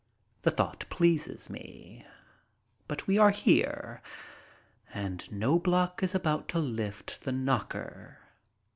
The thought pleases me. But we are here, and Knobloch is about to lift the knocker.